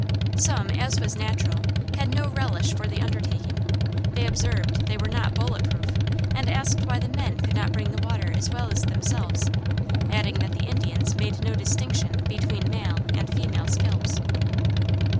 Some, as was natural, had no relish for the undertaking; they observed they were not bulletproof, and asked why the men could not bring the water as well as themselves; adding that the Indians made no distinction between male and female scalps.